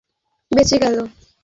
বেঁচে গেলো, এহ?